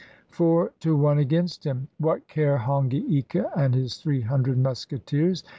Four to one against him! WTiat care Hongi Ika and his three hun dred musketeers?